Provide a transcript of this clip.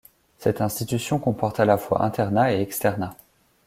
Cette institution comporte à la fois internat et externat.